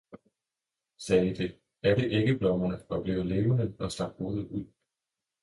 sagde det, alle æggeblommerne var blevet levende og stak hovedet ud.